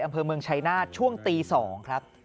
อำเภอเมืองชายนาฏช่วงตี๒ครับ